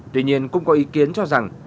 tuy nhiên cũng có ý kiến cho rằng